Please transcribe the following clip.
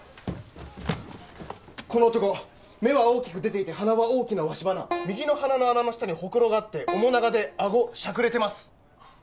この男目は大きく出ていて鼻は大きなわし鼻右の鼻の穴の下にホクロがあって面長でアゴしゃくれてます